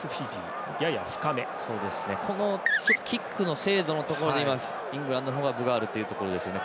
キックの精度のところでイングランドの方が分があるというところですね。